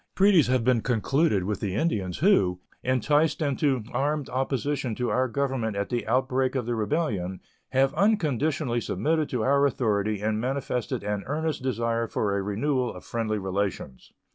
Treaties have been concluded with the Indians, who, enticed into armed opposition to our Government at the outbreak of the rebellion, have unconditionally submitted to our authority and manifested an earnest desire for a renewal of friendly relations.